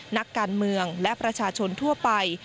นักการเมืองและประชาชนทั่วไป